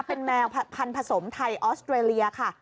เป็นแมวพันธสมไทยออสเตรเลียค่ะ